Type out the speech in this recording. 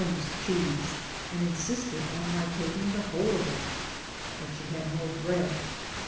69 mous cheese, and insisted on my taking the whole of it, but she had no bread.